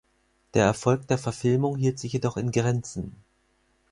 Der Erfolg der Verfilmung hielt sich jedoch in Grenzen.